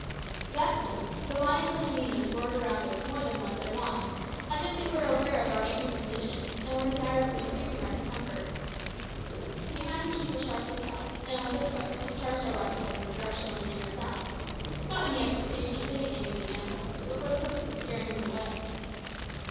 That night the lions and hyenas roared around us more than was their wont, as if they were aware of our anxious condition, and were desirous of increasing our discomforts. We had to keep a sharp lookout, and once or twice discharged our rifles in the direction of the nearest sounds, not in the expectation of hitting any of the animals, but for the purpose of scaring them away.